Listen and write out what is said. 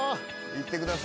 いってください。